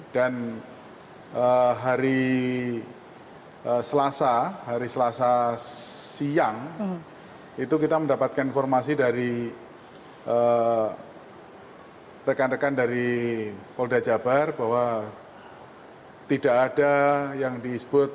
dan hari selasa hari selasa siang itu kita mendapatkan informasi dari rekan rekan dari polda jabar bahwa tidak ada yang disebut